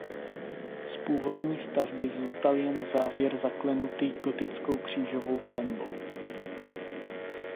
Z původní stavby zůstal jen závěr zaklenutý gotickou křížovou klenbou.